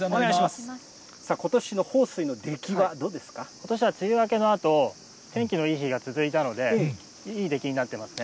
ことしの豊水の出来はどうでことしは梅雨明けのあと、天気のいい日が続いたので、いい出来になってますね。